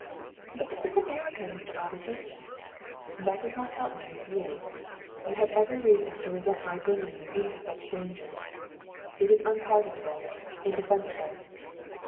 "But this is America, Mr. Armitage!" "That does not help me with you. You have every reason to resent my bringing you into such dangers, it is unpardonable indefensible!"